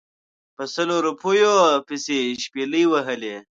په سلو روپیو پسې شپلۍ وهلې.